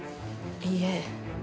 いいえ。